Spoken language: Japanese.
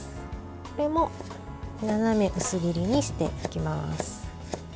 これも斜め薄切りにしていきます。